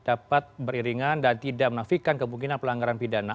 dapat beriringan dan tidak menafikan kemungkinan pelanggaran pidana